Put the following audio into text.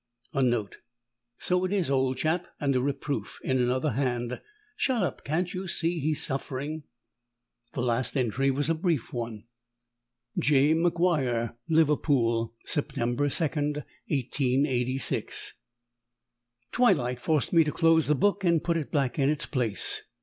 _ (A note: So it is, old chap! and a reproof in another hand: Shut up! can't you see he's suffering?) The last entry was a brief one: J. MacGuire, Liverpool. September 2nd, 1886. Twilight forced me to close the book and put it back in its place.